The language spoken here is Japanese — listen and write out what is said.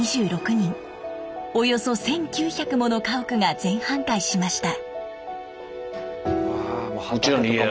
およそ１，９００もの家屋が全半壊しました。